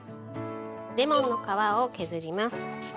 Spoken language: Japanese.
レモンの皮を削ります。